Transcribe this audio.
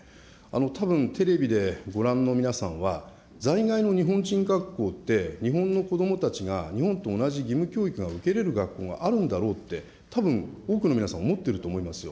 たぶんテレビでご覧の皆さんは、在外の日本人学校って、日本の子どもたちが、日本と同じ義務教育が受けれる学校があるんだろうって、たぶん多くの皆さん、思ってると思いますよ。